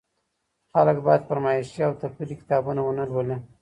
خلګ بايد فرمايشي او تپلي کتابونه ونه لولي.